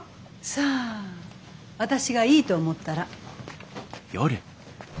さあ私がいいと思ったら。